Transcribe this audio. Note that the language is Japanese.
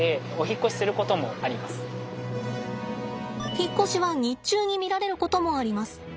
引っ越しは日中に見られることもあります。